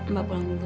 mbak pulang dulu